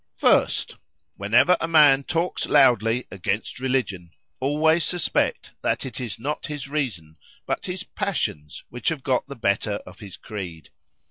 "First, Whenever a man talks loudly against religion, always suspect that it is not his reason, but his passions, which have got the better of his CREED.